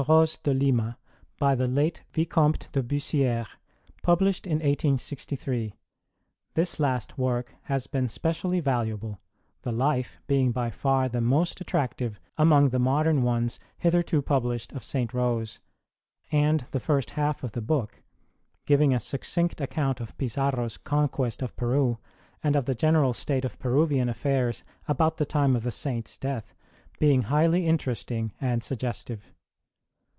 Rose de Lima, by the late Vte. de Bussierre, published in 1863. This last work has been specially valuable, the Life being by far the most attractive among the modern ones hitherto published of St. Rose; and the 2 4 NOTE first half of the book, giving a succinct account of Pizarro s conquest of Peru, and of the general state of Peruvian affairs about the time of the Saint s death, being highly interesting and suggestive.